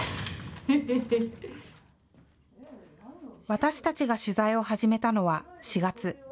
私たちが取材を始めたのは４月。